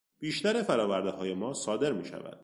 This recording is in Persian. بیشتر فرآوردههای ما صادر میشود.